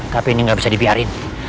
tapi ini nggak bisa dibiarin